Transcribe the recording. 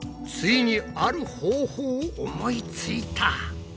ついにある方法を思いついた。